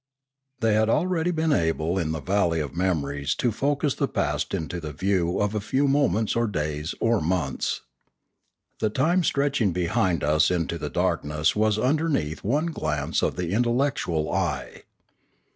They had already been able in the valley of memories to focus the past into the view of a few moments or days or months. The time stretching behind us into the darkness was underneath one glance of the intel lectual eye.